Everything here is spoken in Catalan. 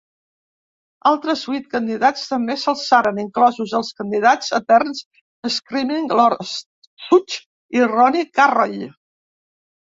Altres huit candidats també s'alçaren, inclosos els candidats eterns Screaming Lord Sutch i Ronnie Carroll.